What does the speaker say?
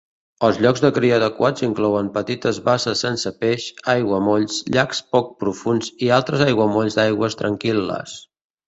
Els llocs de cria adequats inclouen petites basses sense peix, aiguamolls, llacs poc profunds i altres aiguamolls d'aigües tranquil·les.